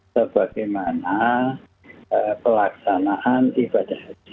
sebagaimana pelaksanaan ibadah haji